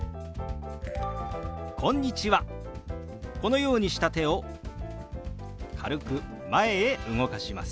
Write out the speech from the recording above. このようにした手を軽く前へ動かします。